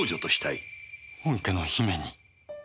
本家の姫に。